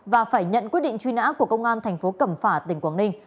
và phải nhận quyết định truy nã của công an thành phố cẩm phả tỉnh quảng ninh